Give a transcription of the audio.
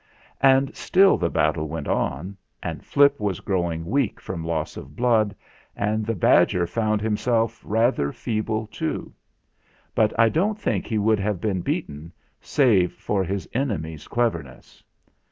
And still the battle went on, and Flip was growing weak from loss of blood, and the badger found himself rather feeble too. But I don't think he would have been beaten save for his enemy's cleverness.